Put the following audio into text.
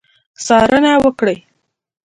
څارنه وکړي.